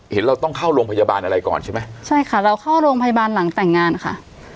เราต้องเข้าโรงพยาบาลอะไรก่อนใช่ไหมใช่ค่ะเราเข้าโรงพยาบาลหลังแต่งงานค่ะ